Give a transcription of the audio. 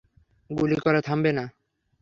গুলি করা থামাবে না!